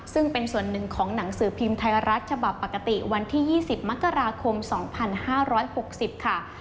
ซึ่งเป็นส่วนหนึ่งของหนังสือพิมพ์ไทยรัฐฉบับปกติวันที่๒๐มกราคม๒๕๖๐ค่ะ